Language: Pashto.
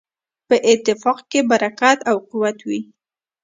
په اتفاق کې برکت او قوت وي.